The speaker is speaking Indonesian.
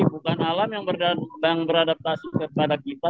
bukan alam yang beradaptasi kepada kita